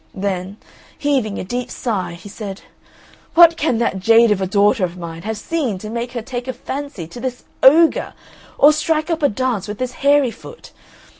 Then, heaving a deep sigh, he said, "What can that jade of a daughter of mine have seen to make her take a fancy to this ogre, or strike up a dance with this hairy foot?